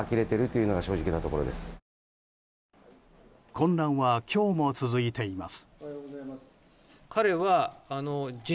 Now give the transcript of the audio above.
混乱は、今日も続いています。